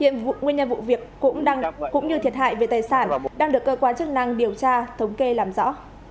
hiện nguyên nhân vụ việc cũng như thiệt hại về tài sản đang được cơ quan chức năng điều tra thống kê làm rõ